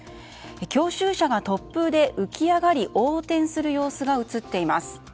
教習車が突風で浮き上がり横転する様子が映っています。